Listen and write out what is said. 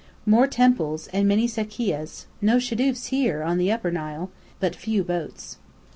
More temples, and many sakkeyehs (no shadoofs here, on the Upper Nile) but few boats.